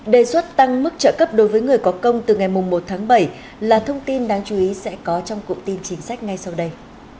đề xuất tăng mức trợ cấp đối với người có công từ ngày một tháng bảy là thông tin đáng chú ý sẽ có trong cụm tin chính sách ngay sau đây